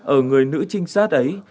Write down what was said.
ở người nữ trinh sát ấy